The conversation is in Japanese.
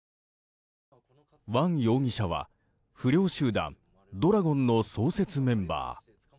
ワン容疑者は、不良集団怒羅権の創設メンバー。